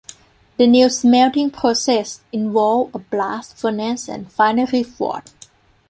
The new smelting process involved a blast furnace and finery forge.